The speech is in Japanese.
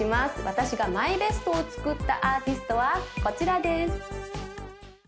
私がＭＹＢＥＳＴを作ったアーティストはこちらです